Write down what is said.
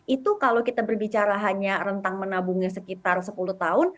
itu kalau kita berbicara hanya rentang menabungnya sekitar sepuluh tahun